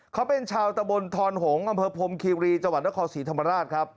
เขาเป็นชาวตะบลท้อนหงษ์อำเภอพมครีมรีจนศรีธรรมราช